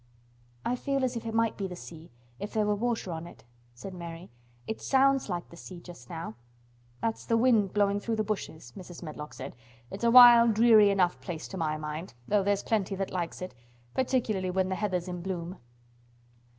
"I feel as if it might be the sea, if there were water on it," said Mary. "It sounds like the sea just now." "That's the wind blowing through the bushes," Mrs. Medlock said. "It's a wild, dreary enough place to my mind, though there's plenty that likes it—particularly when the heather's in bloom."